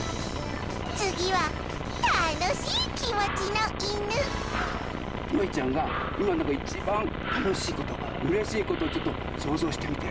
つぎはたのしいきもちのいぬのいちゃんがいまいちばんたのしいことうれしいことをちょっとそうぞうしてみて。